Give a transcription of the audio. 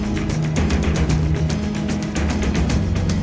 sejumlah earth plik yang sudah mencobanya involumen yang lain